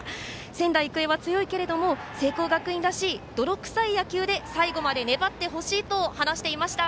仙台育英は強いけれども聖光学院らしい泥臭い野球で最後まで粘ってほしいと話していました。